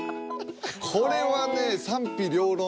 これはね賛否両論